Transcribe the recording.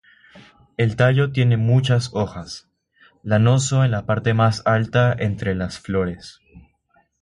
El tallo tiene muchas hojas, lanoso en la parte más alta entre las flores.